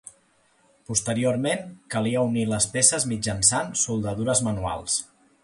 Posteriorment, calia unir les peces mitjançant soldadures manuals.